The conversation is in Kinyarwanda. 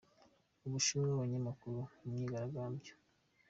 U Bushinwa Abanyamakuru mu myigaragambyo